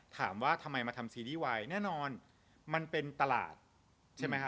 ถามว่าทำไมมาทำซีรีส์วายแน่นอนมันเป็นตลาดใช่ไหมฮะ